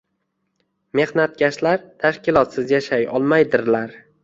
Mehnatkashlar tashkilotsiz yashay olmaydirlar